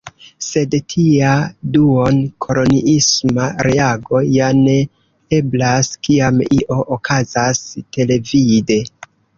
Sed tia duon-koloniisma reago ja ne eblas, kiam io okazas televide.